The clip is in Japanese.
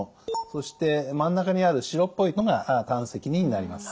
そして真ん中にある白っぽいのが胆石になります。